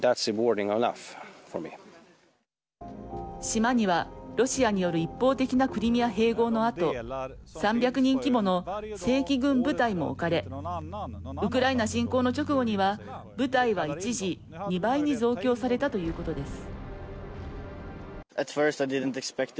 島にはロシアによる一方的なクリミア併合のあと３００人規模の正規軍部隊も置かれウクライナ侵攻の直後には部隊は一時、２倍に増強されたということです。